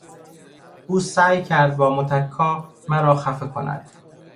او سعی کرد با متکا مرا خفه کند.